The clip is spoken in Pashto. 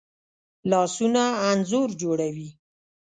لاسونه انځور جوړوي